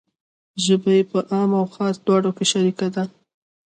ژبه یې په عام و خاص دواړو کې شریکه ده.